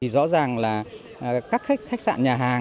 rõ ràng là các khách sạn nhà hàng có dịch vụ ăn